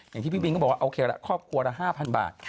อย่างที่พี่บินก็บอกว่าโอเคละครอบครัวละ๕๐๐บาท